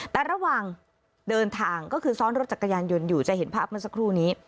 แต่ระหว่างเดินทางก็คือซ้อนรถจักรยานยนต์อยู่จะเห็นภาพเมื่อสักครู่นี้